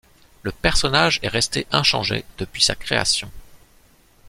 Le personnage est resté inchangé depuis sa création.